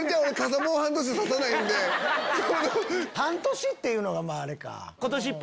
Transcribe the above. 半年っていうのがあれか。